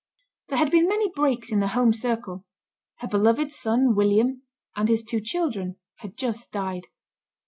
There had been many breaks in the home circle. Her beloved son William, and his two children, had just died.